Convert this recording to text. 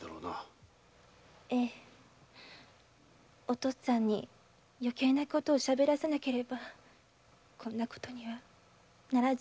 お父っつぁんに余計なことをしゃべらせなければこんなことにはならずに済んだのです。